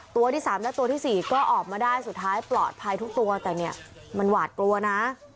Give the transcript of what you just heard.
ตัวที่๓และตัวที่๔ก็ออกมาได้สุดท้ายปลอดภัยทุกตัวแต่เนี่ยมันหวาดกลัวนะ